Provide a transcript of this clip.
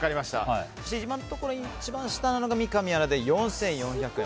今のところ、一番下が三上アナで４４００円。